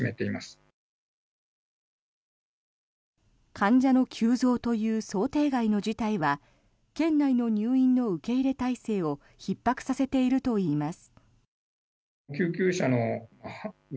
患者の急増という想定外の事態は県内の入院の受け入れ態勢をひっ迫させているといいます。